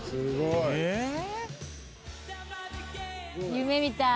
夢みたい。